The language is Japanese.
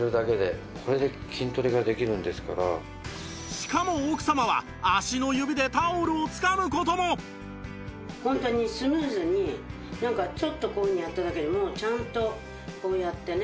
しかも奥様は本当にスムーズになんかちょっとこういうふうにやっただけでもうちゃんとこうやってね。